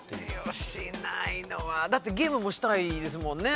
しないのはだってゲームもしたいですもんね